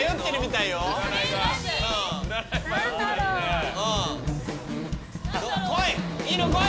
いいのこい。